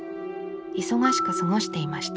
忙しく過ごしていました。